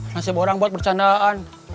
nasib orang buat bercandaan